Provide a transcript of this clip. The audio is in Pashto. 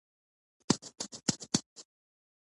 هر څوک څه مسوولیت لري؟